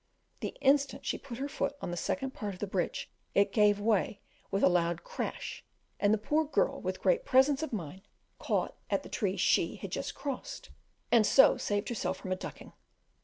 The instant she put her foot on the second part of the bridge, it gave way with a loud crash; and the poor girl, with great presence of mind, caught at the tree she, had just crossed, and so saved herself from a ducking.